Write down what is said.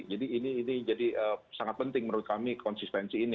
jadi ini jadi sangat penting menurut kami konsistensi ini